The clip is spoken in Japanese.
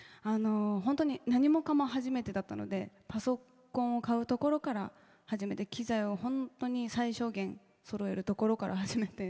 本当に何もかも初めてだったのでパソコンを買うところから始めて機材を本当に最小限そろえるところから始めて。